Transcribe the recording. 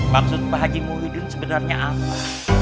maksud pak haji muhyiddin sebenarnya apa